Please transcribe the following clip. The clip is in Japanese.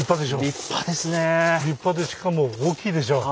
立派でしかも大きいでしょう。